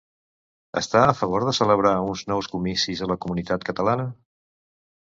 Està a favor de celebrar uns nous comicis a la comunitat catalana?